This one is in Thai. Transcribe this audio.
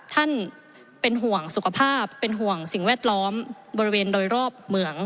ท่านเป็นห่วงสุขภาพเป็นห่วงสิ่งแวดล้อมบริเวณโดยรอบเหมือง